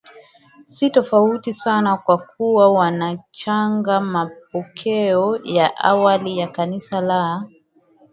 si tofauti sana kwa kuwa wanachanga mapokeo ya awali ya Kanisa la